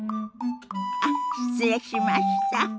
あっ失礼しました。